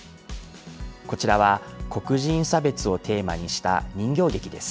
こちらは黒人差別をテーマにした人形劇です。